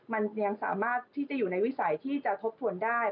มันยังสามารถที่จะอยู่ในวิสัยที่จะทบทวนได้